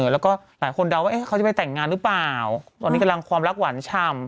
แล้วก็หลายคนเดาว่าเขาจะไปแต่งงานหรือเปล่าตอนนี้กำลังความรักหวานฉ่ำ